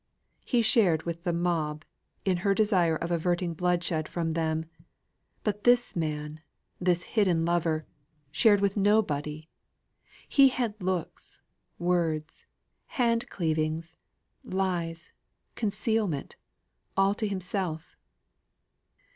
He shared with the mob, in her desire of averting bloodshed from them; but this man, this hidden lover, shared with nobody; he had looks, words, hand cleavings, lies, concealment, all to himself.